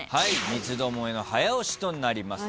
三つどもえの早押しとなります。